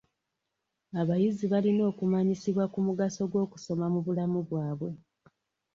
Abayizi balina okumanyisibwa ku mugaso gw'okusoma mu bulamu bwabwe.